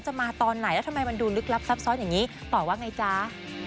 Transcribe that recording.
มาตอนไหนแล้วทำไมมันดูลึกลับซับซ้อนอย่างนี้ต่อว่าไงจ๊ะ